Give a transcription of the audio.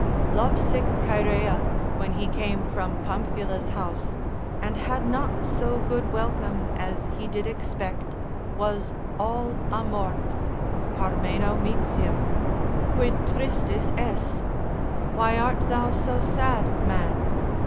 Lovesick Chaerea, when he came from Pamphila's house, and had not so good welcome as he did expect, was all amort, Parmeno meets him, quid tristis es? Why art thou so sad man?